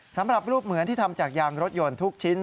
สำหรับรูปเหมือนที่ทำจากยางรถยนต์ทุกชิ้น